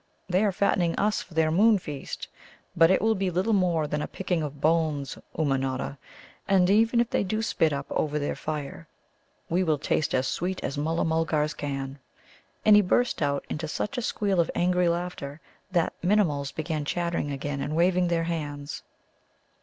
They are fattening us for their Moon feast. But it will be little more than a picking of bones, Ummanodda. And even if they do spit up over their fire, we will taste as sweet as Mulla mulgars can." And he burst out into such a squeal of angry laughter the Minimuls began chattering again and waving their hands.